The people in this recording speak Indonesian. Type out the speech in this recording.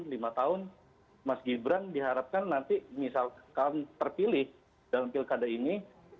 lima tahun mas gibran diharapkan nanti misalkan terpilih dalam pilkada ini